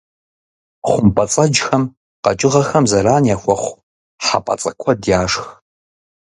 Хъумпӏэцӏэджхэм къэкӏыгъэхэм зэран яхуэхъу хьэпӏацӏэ куэд яшх.